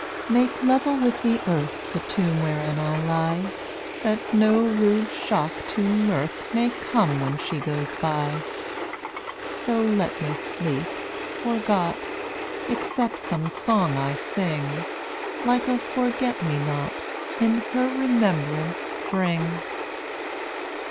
224 Make level with the earth The tomb wherein I lie, That no rude shock to mirth May come when she goes by. So let me sleep, forgot, Except some song I sing, Like a forget me not, In her remembrance spring.